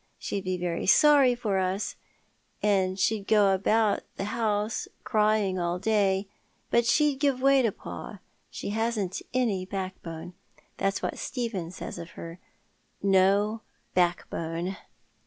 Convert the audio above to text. She'd be very sorry for us, and she'd go about the house crying all day, but she'd give way to pa. She hasn't any backbone. That's what Stephen says of her, 'No back bone.'